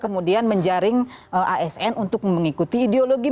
kemudian menjaring asn untuk mengikuti ideologi